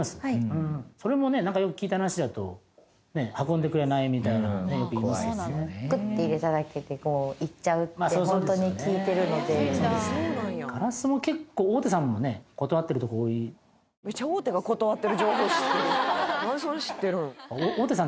それもねよく聞いた話だと運んでくれないみたいなのをよくいいますよねってホントに聞いてるのでガラスも結構大手さんもね断ってるとこ多いめっちゃ大手が断ってる情報知ってる何でそれ知ってるん？